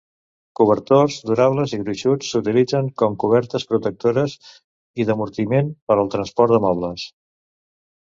Cobertors durables i gruixuts s'utilitzen com cobertes protectores i d'amortiment per al transport de mobles.